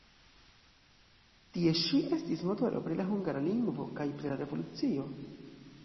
Tie ŝi estis motoro pri la hungara lingvo kaj pri la revolucio.